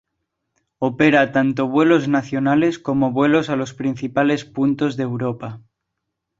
Opera tanto vuelos nacionales, como vuelos a los principales puntos de Europa.